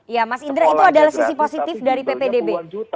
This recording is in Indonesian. ya mas indra itu adalah sisi positif dari ppdb